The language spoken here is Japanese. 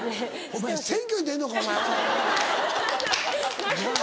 お前選挙に出るのかお前は。なぁ